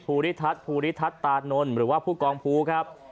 ภูริทัศน์ภูริทัศน์ตานนท์หรือว่าผู้กองภูครับ